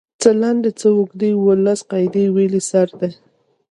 څۀ لنډې څۀ اوږدې اووه لس قاعدې ويلی سر دی